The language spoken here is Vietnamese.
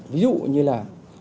ví dụ như là